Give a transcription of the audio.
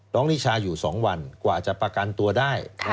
นิชาอยู่๒วันกว่าจะประกันตัวได้